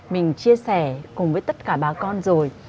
mình chia sẻ cùng với tất cả bà con rồi